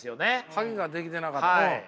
影ができてなかったうん。